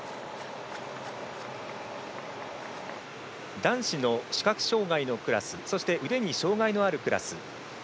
男子の視覚障がいのクラスそして腕に障がいのあるクラス。